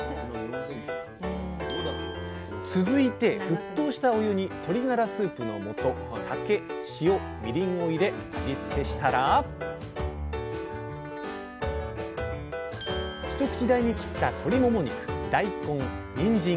続いて沸騰したお湯に鶏がらスープのもと酒塩みりんを入れ味付けしたら一口大に切った鶏もも肉大根にんじん